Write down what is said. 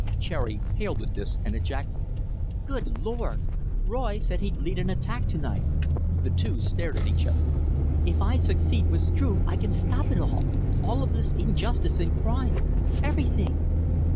Cherry paled at this and ejaculated: "Good Lord! Roy said he'd lead an attack to night." The two stared at each other. "If I succeed with Struve I can stop it all all of this injustice and crime everything."